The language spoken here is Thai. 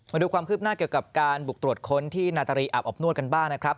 มาดูความคืบหน้าเกี่ยวกับการบุกตรวจค้นที่นาตรีอาบอบนวดกันบ้างนะครับ